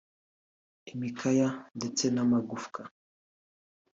imikaya ndetse n’amagufwa